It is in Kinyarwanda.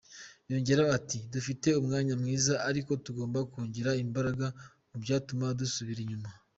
Yongeraho ati “Dufite umwanya mwiza ariko tugomba kongeramo imbaraga mu byatuma dusubira inyuma.